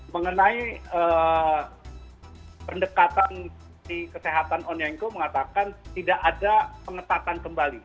mengenai pendekatan di kesehatan onengko mengatakan tidak ada pengetatan kembali